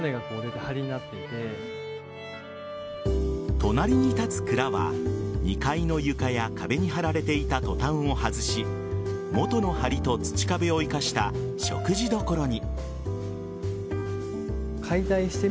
隣に立つ蔵は２階の床や壁に貼られていたトタンを外し元の梁と土壁を生かした食事どころに。